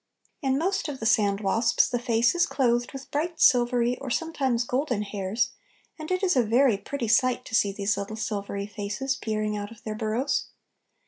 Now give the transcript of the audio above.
In most of the sandwasps the face is clothed with bright silvery, or sometimes golden, hairs, and it is a very pretty sight to see these little silvery faces peering out of their burrows.